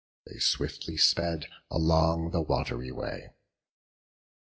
They swiftly sped along the wat'ry way.